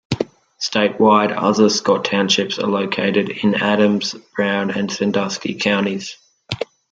Statewide, other Scott Townships are located in Adams, Brown, and Sandusky counties.